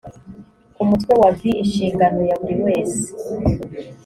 umutwe wa v inshingano ya buri wese